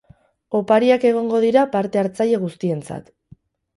Opariak egongo dira parte hartzaile guztientzat.